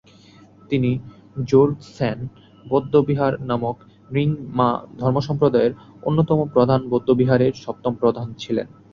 তিনি র্দ্জোগ্স-ছেন বৌদ্ধবিহার নামক র্ন্যিং-মা ধর্মসম্প্রদায়ের অন্যতম প্রধান বৌদ্ধবিহারের সপ্তম প্রধান ছিলেন।